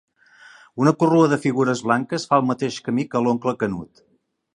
Una corrua de figures blanques fa el mateix camí que l'oncle Canut.